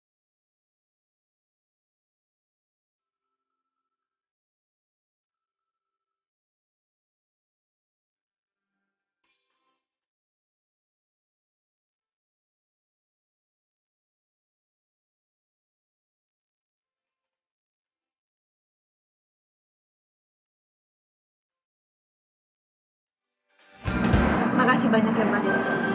terima kasih banyak ya mas